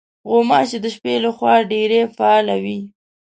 غوماشې د شپې له خوا ډېرې فعالې وي.